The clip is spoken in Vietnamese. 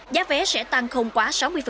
giá vé sẽ tăng không quá sáu mươi